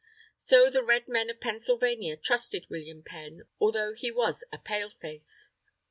So the Red Men of Pennsylvania, trusted William Penn, although he was a Pale face.